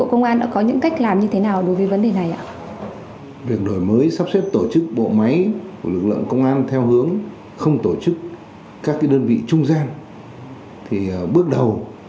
công an đã có những cách làm như thế nào đối với vấn đề này ạ